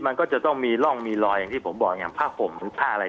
มันก็จะต้องมีร่องมีรอยอย่างที่ผมบอกอย่างผ้าห่มหรือผ้าอะไร